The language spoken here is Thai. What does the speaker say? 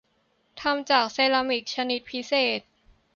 ทำจากเซรามิคชนิดพิเศษ